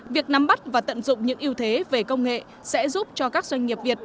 việc nắm bắt và tận dụng những ưu thế về công nghệ sẽ giúp cho các doanh nghiệp việt